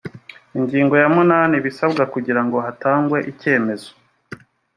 ingingo ya munani ibisabwa kugirango hatangwe ikemezo